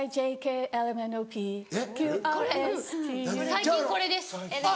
最近これです。